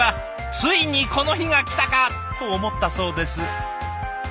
「ついにこの日が来たか」と思ったそうです。